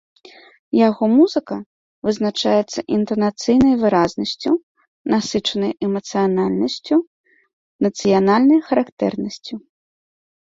Яго музыка вызначаецца інтанацыйнай выразнасцю, насычанай эмацыянальнасцю, нацыянальнай характэрнасцю.